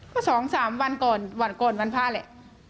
ครับก็สองสามวันก่อนวันก่อนวันพระแหละเหมือนเพราะหนึ่งว่า